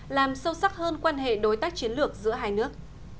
làm sâu sắc hơn quan hệ đối tác chiến lược giữa hai nước